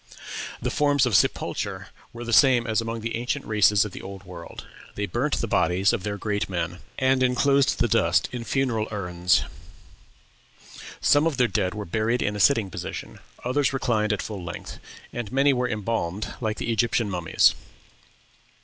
The forms of sepulture were the same as among the ancient races of the Old World; they burnt the bodies of their great men, and enclosed the dust in funeral urns; some of their dead were buried in a sitting position, others reclined at full length, and many were embalmed like the Egyptian mummies.